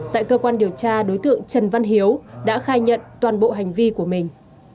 tại cơ quan điều tra đối tượng trần văn hiếu đã khai nhận toàn bộ hành vi của mình